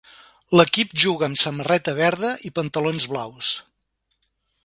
L'equip juga amb samarreta verda i pantalons blaus.